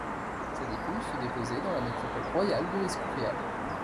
Sa dépouille fut déposée dans la nécropole royale de l' Escurial.